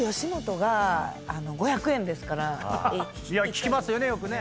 聞きますよねよく。